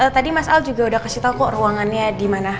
tadi mas al juga udah kasih tau kok ruangannya di mana